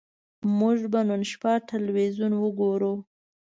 موږ به نن شپه ټلویزیون وګورو